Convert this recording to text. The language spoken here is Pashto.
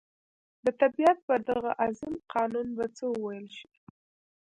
د طبعیت پر دغه عظیم قانون به څه وویل شي.